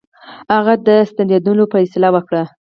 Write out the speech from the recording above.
هغه د ستنېدلو فیصله وکړه.